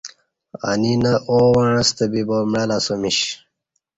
ا نی نہ او وعݩستہ بِیبا معلہ اسہ میش۔